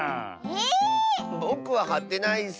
えっ⁉ぼくははってないッス。